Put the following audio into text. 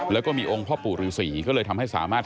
แล้วก็มีองค์พ่อปู่ฤษีก็เลยทำให้สามารถ